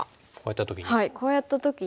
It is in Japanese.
こうやった時に。